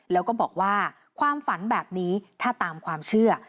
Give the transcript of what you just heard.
แล้วก็บอกว่าความฝันแบบนี้ถ้าตามความเชื่อ